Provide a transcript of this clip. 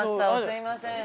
すいません。